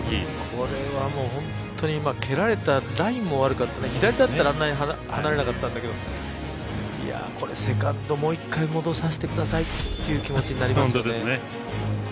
これはもう本当に蹴られたラインも悪かったし左だったらあんなに離れなかったんだけどこれセカンドもう１回、戻させてくださいって気持ちになりますね。